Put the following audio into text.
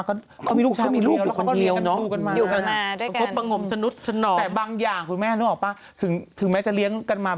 ก็มีลูกชายคนเดียวแล้วก็เลี้ยงคนเดียวกันมา